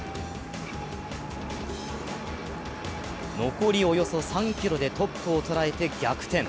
残りおよそ３ｋｍでトップを捉えて逆転。